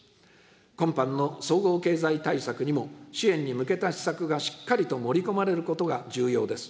今般の総合経済対策にも、支援に向けた施策がしっかりと盛り込まれることが重要です。